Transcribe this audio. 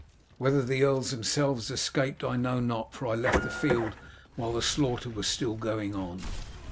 Whether the earls themselves escaped I know not, for I left the field while the slaughter was still going on.